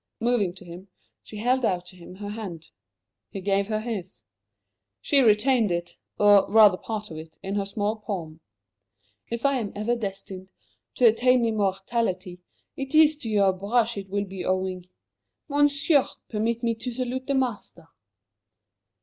Moving to him, she held out to him her hand. He gave her his. She retained it or, rather, part of it in her small palm. "If I am ever destined to attain to immortality, it is to your brush it will be owing. Monsieur, permit me to salute the master!"